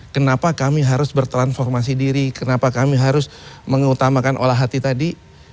kenapa kami harus bertransformasi diri kenapa kami harus mengutamakan olah hati tadi